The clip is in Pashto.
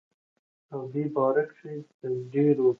او دې باره کښې دَ ډيرو